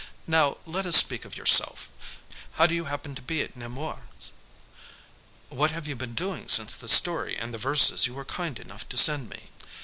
Now, let us speak of yourself. How do you happen to be at Nemours? What have you been doing since the story and the verses you were kind enough to send me?"